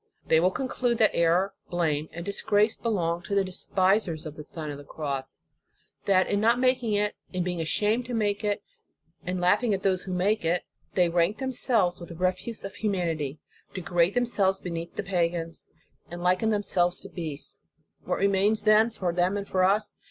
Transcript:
They will conclude that error, blame and disgrace belong to the despisers of the Sign of the Cross; that in not making it, in being ashamed to make it, in laughing at those who make it, they rank themselves with the refuse of humanity, de grade themselves beneath the pagans, and liken themselves to beasts. What remains, then, for them and for us?